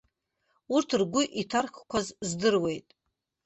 Урҭ ргәы иҭаркқәаз здыруеит.